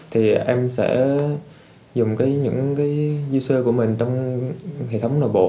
thì em sẽ dùng những user của mình trong hệ thống nội bộ